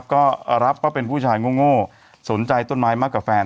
ก็รับว่าเป็นผู้ชายโง่สนใจต้นไม้มากกว่าแฟน